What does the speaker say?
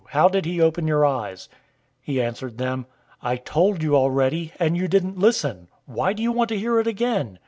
How did he open your eyes?" 009:027 He answered them, "I told you already, and you didn't listen. Why do you want to hear it again?